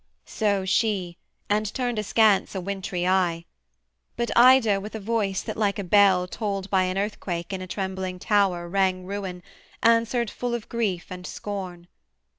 So she, and turned askance a wintry eye: But Ida with a voice, that like a bell Tolled by an earthquake in a trembling tower, Rang ruin, answered full of grief and scorn.